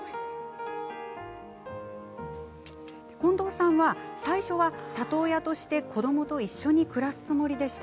近藤さんは最初は里親として子どもと一緒に暮らすつもりでした。